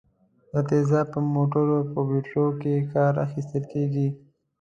دا تیزاب په موټرو په بټریو کې کار اخیستل کیږي.